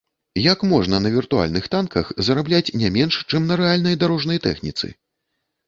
Як можна на віртуальных танках зарабляць не менш, чым на рэальнай дарожнай тэхніцы?